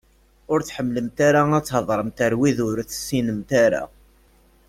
Ur tḥemmlemt ara ad theḍṛemt d wid ur tessinemt ara?